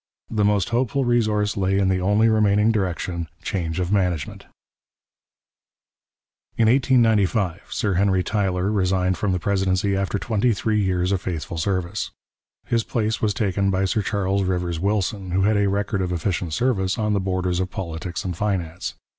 The most hopeful resource lay in the only remaining direction, change of management. In 1895 Sir Henry Tyler resigned from the presidency after twenty three years of faithful service. His place was taken by Sir Charles Rivers Wilson, who had a record of efficient service on the borders of politics and finance.